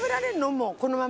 もうこのまんま。